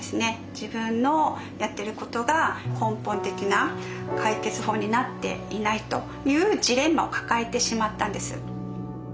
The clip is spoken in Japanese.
自分のやってることが根本的な解決法になっていないというジレンマを抱えてしまったんです。